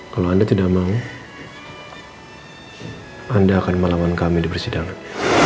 kalau anda tidak mau anda akan melawan kami di persidangan